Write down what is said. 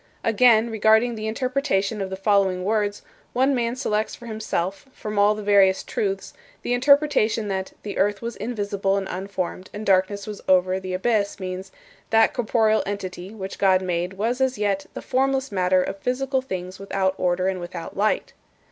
Again, regarding the interpretation of the following words, one man selects for himself, from all the various truths, the interpretation that "the earth was invisible and unformed and darkness was over the abyss" means, "That corporeal entity which God made was as yet the formless matter of physical things without order and without light."